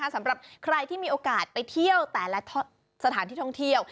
สำหรับใครที่มีโอกาสไปเที่ยวแต่ละสถานที่ท่องเที่ยว